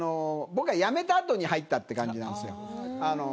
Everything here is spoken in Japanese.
僕が辞めた後に入ったって感じなんですよ。